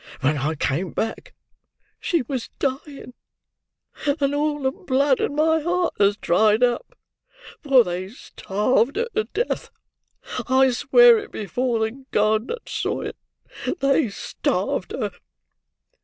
When I came back, she was dying; and all the blood in my heart has dried up, for they starved her to death. I swear it before the God that saw it! They starved her!"